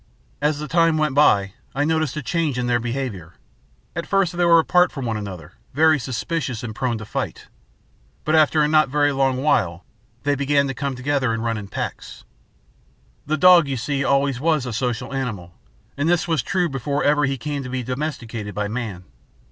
As the time went by, I noticed a change in their behavior. At first they were apart from one another, very suspicious and very prone to fight. But after a not very long while they began to come together and run in packs. The dog, you see, always was a social animal, and this was true before ever he came to be domesticated by man.